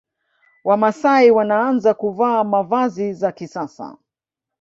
Wamasai wanaanza kuvaa mavazi za kisasa